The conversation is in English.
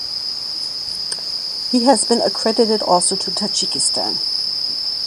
He has been accredited also to Tajikistan.